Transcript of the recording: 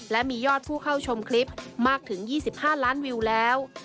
และมียอดผู้เข้าชมคลิปมากถึง๒๕ล้านวิวแล้ว